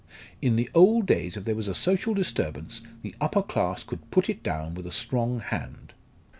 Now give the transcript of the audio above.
In the old days if there was social disturbance the upper class could put it down with a strong hand."